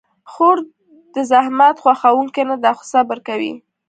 خور د زحمت خوښونکې نه ده، خو صبر کوي.